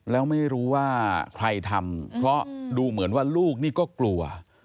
แล้วไม่รู้ว่าใครทำเพราะดูเหมือนว่าลูกนี่ก็กลัว